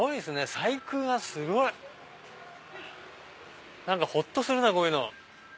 細工がすごい！何かほっとするなぁこういうの。